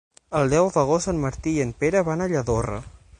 El deu d'agost en Martí i en Pere van a Lladorre.